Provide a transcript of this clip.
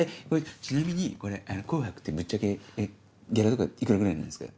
ちなみに『紅白』ってぶっちゃけギャラとか幾らぐらいなんすか？」。